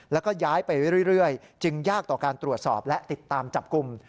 แล้วก็ย้ายไปเรื่อยจึงยากต่อการตรวจสอบและติดตามจับกลุ่ม